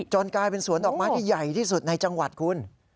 กลายเป็นสวนดอกไม้ที่ใหญ่ที่สุดในจังหวัดคุณ